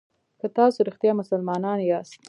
که تاسو رښتیا مسلمانان یاست.